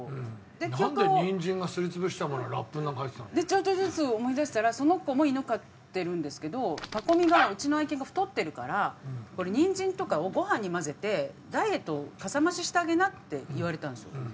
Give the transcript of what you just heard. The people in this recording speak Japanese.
ちょっとずつ思い出したらその子も犬飼ってるんですけどパコ美がうちの愛犬が太ってるからニンジンとかをご飯に混ぜてダイエットをかさ増ししてあげなって言われたんですよ。